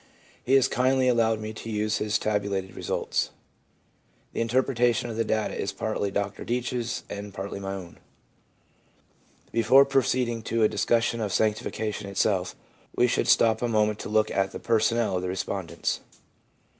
He has kindly allowed me 375 376 THE PSYCHOLOGY OF RELIGION to use his tabulated results. The interpretation of the data is partly Mr Deach's and partly my own. Before proceeding to a discussion of sanctification itself, we should stop a moment to look at the personnel of the respondents.